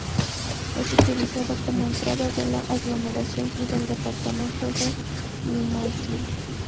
Es utilizado como entrada de la aglomeración y del departamento de Limousin.